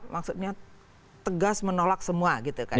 maksudnya tegas menolak semua